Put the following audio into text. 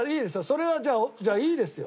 それはじゃあじゃあいいですよ